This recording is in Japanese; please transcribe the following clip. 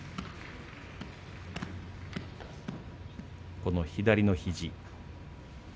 この左の肘。